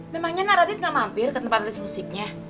memangnya naradit gak mampir ke tempat lain musiknya